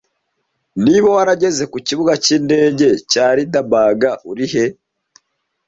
Niba warageze ku kibuga cyindege cya Lindberg urihe